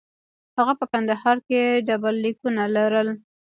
هغه په کندهار کې ډبرلیکونه لرل